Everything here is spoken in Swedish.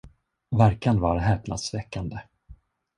Verkan var häpnadsväckande.